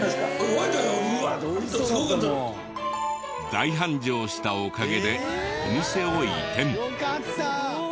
大繁盛したおかげでお店を移転。